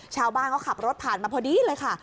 ชาวบ้านเขาขับรถผ่านมาพอดีเลยค่ะ